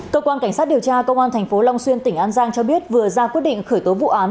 cơ quan cảnh sát điều tra công an tp long xuyên tỉnh an giang cho biết vừa ra quyết định khởi tố vụ án